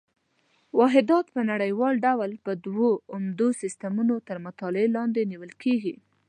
واحدات په نړیوال ډول په دوه عمده سیسټمونو تر مطالعې لاندې نیول کېږي.